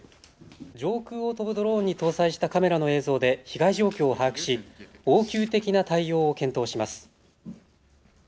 上空を飛ぶドローンに搭載したカメラの映像で被害状況を把握し応急的な対応を検討します。